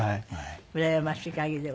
うらやましいかぎりで。